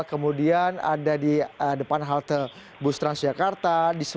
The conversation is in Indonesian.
kemudian ada di depan halte bus transjakarta